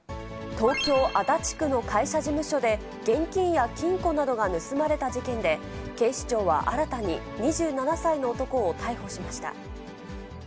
東京・足立区の会社事務所で、現金や金庫などが盗まれた事件で、警視庁は新たに２７歳の男を逮捕しました。